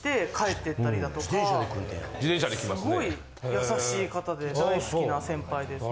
すごい優しい方で大好きな先輩です。